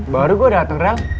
baru gue dateng real